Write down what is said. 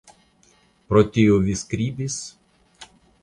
Pro tio vi skribis?